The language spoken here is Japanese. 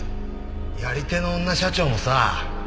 やり手の女社長もさ